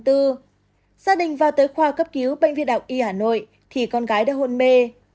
gia đình vào tới khoa cấp cứu bệnh viện đạo y hà nội thì con gái đã hôn mê